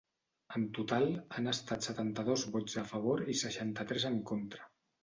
En total, han estat setanta-dos vots a favor i seixanta-tres en contra.